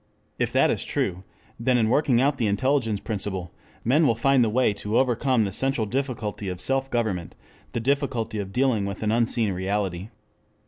If that is true, then in working out the intelligence principle men will find the way to overcome the central difficulty of self government, the difficulty of dealing with an unseen reality.